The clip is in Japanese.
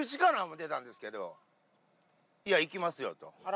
思ってたんですけど、いや、行きますよと。